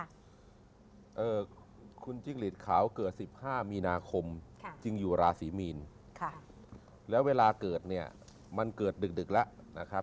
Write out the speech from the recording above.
คุณจิ้งหลีดขาวเกิด๑๕มีนาคมจึงอยู่ราศีมีนแล้วเวลาเกิดเนี่ยมันเกิดดึกแล้วนะครับ